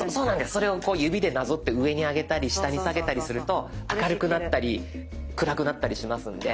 それを指でなぞって上に上げたり下に下げたりすると明るくなったり暗くなったりしますので。